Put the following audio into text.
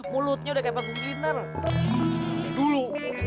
mulutnya udah kepas giner dulu